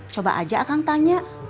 coba aja akan tanya